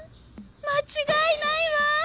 間違いないわ！